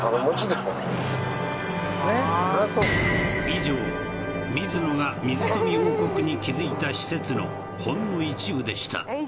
以上水野が水富王国に築いた施設のほんの一部でした